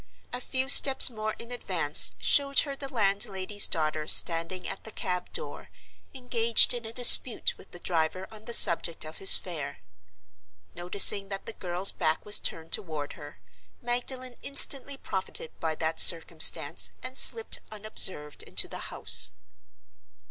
A few steps more in advance showed her the landlady's daughter standing at the cab door engaged in a dispute with the driver on the subject of his fare. Noticing that the girl's back was turned toward her, Magdalen instantly profited by that circumstance and slipped unobserved into the house.